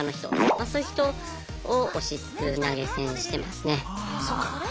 そういう人を推しつつ投げ銭をしてますね。